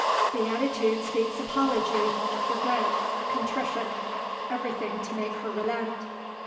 The attitude speaks apology, regret, contrition everything to make her relent.